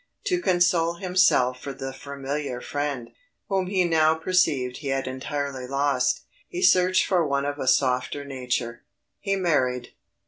To console himself for the familiar friend, whom he now perceived he had entirely lost, he searched for one of a softer nature he married.